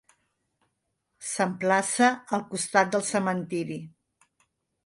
S'emplaça al costat del cementiri.